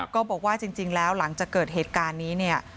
ก็บอกว่าจริงแล้วหลังจากเกิดเหตุการณ์นี้เนี่ย